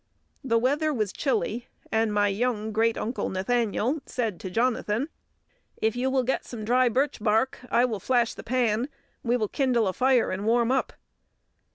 The weather was chilly, and my young Great uncle Nathaniel said to Jonathan: "If you will get some dry birchbark, I will flash the pan. We will kindle a fire and warm up."